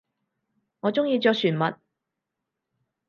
我中意着船襪